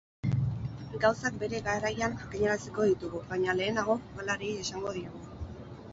Gauzak bere garaian jakinaraziko ditugu, baina lehenengo jokalariei esango diegu.